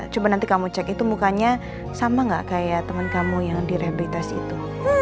coba nanti kamu cek itu mukanya sama ga kayak temen kamu yang di rehabilitasi itu